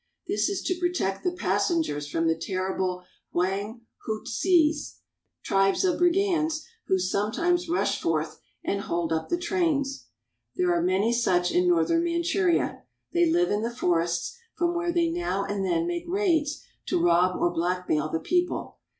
This is to protect the passengers from the ter rible Huang Houtzes (Whang Hootz es), tribes of brigands who sometimes rush forth and hold up the trains. There are many such in northern Manchuria. They live in the forests, from where they now and then make raids to rob or blackmail the people.